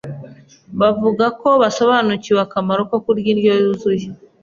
bavuga ko basobanukiwe akamaro ko kurya indyo yuzuye